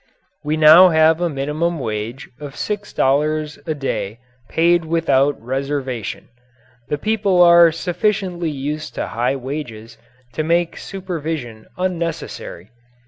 We now have a minimum wage of six dollars a day paid without reservation. The people are sufficiently used to high wages to make supervision unnecessary.